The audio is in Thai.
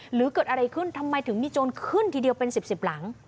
หรือเกิดอะไรขึ้นทำไมถึงมีโจรขึ้นทีเดียวเป็น๑๐หลัง